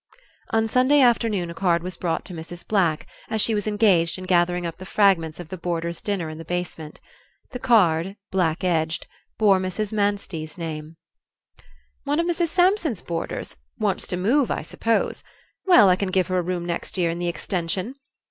On Sunday afternoon a card was brought to Mrs. Black, as she was engaged in gathering up the fragments of the boarders' dinner in the basement. The card, black edged, bore Mrs. Manstey's name. "One of Mrs. Sampson's boarders; wants to move, I suppose. Well, I can give her a room next year in the extension.